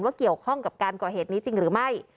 เกี่ยวข้องกับการก่อเหตุนี้จริงหรือไม่